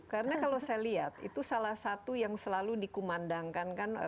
karena kalau saya lihat itu salah satu yang selalu dikumandangkan